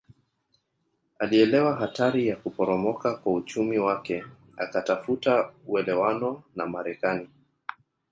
Alielewa hatari ya kuporomoka kwa uchumi wake akatafuta uelewano na Marekani